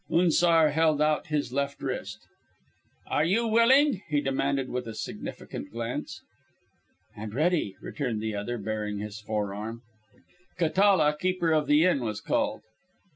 Unzar held out his left wrist. "Are you willing?" he demanded, with a significant glance. "And ready," returned the other, baring his forearm. Catala, keeper of the inn, was called.